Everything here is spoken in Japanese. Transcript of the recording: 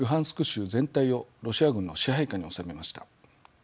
州全体をロシア軍の支配下に収めました。